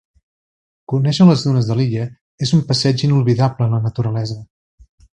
Conèixer les dunes de l'Illa és un passeig inoblidable en la naturalesa.